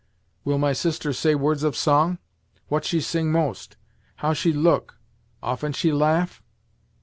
"Will my sister say words of song? What she sing most how she look often she laugh?"